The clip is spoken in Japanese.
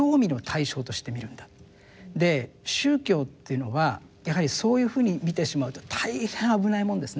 宗教っていうのはやはりそういうふうに見てしまうと大変危ないもんですね。